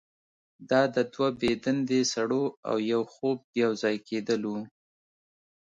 دا د دوه بې دندې سړو او یو خوب یوځای کیدل وو